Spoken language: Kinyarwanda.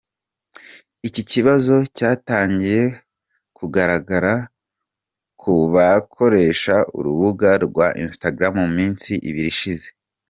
Iki kibazo cyatangiye kugaragaara ku bakoresha urubuga rwa Instagram mu minsi ibiri ishize.